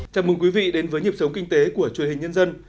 chào mừng quý vị đến với nhịp sống kinh tế của truyền hình nhân dân